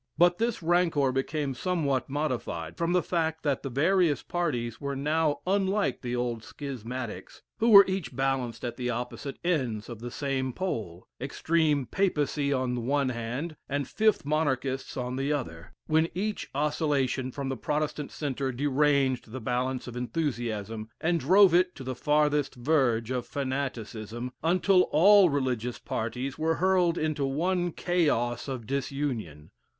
But this rancor became somewhat modified, from the fact that the various parties now were unlike the old schismatics, who were each balanced at the opposite ends of the same pole extreme Papacy on the one hand, and Fifth monarchists on the other when each oscillation from the Protestant centre deranged the balance of enthusiasm, and drove it to the farthest verge of fanaticism, until all religious parties were hurled into one chaos of disunion.